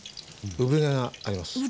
産毛あります。